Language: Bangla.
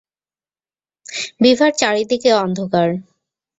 বিভার চারিদিকে অন্ধকার।